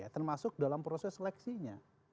termasuk dalam proses seleksinya